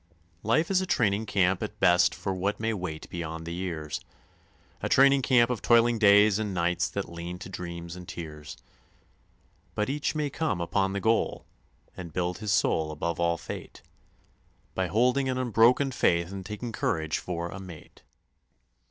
Life is a training camp at best for what may wait beyond the years; A training camp of toiling days and nights that lean to dreams and tears; But each may come upon the goal, and build his soul above all Fate By holding an unbroken faith and taking Courage for a mate.